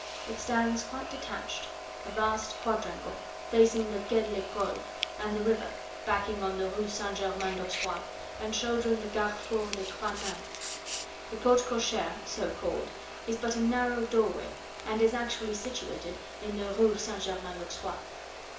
It stands quite detached a vast quadrangle, facing the Quai de l'Ecole and the river, backing on the Rue St. Germain l'Auxerrois, and shouldering the Carrefour des Trois Manes. The porte cochere, so called, is but a narrow doorway, and is actually situated in the Rue St. Germain l'Auxerrois.